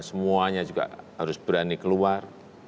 semuanya juga harus berani keluar